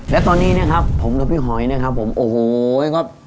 และตอนนี้นะครับผมกับพี่หอยนะครับผมโอ้โหครับ